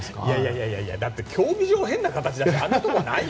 いやいや競技場、変な形だしあんなところないよ。